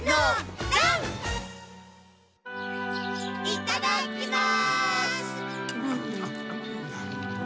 いただきます！